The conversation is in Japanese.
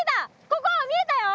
ここ見えたよ！